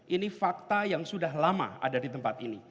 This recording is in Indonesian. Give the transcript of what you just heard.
ini fakta yang sudah lama ada di tempat ini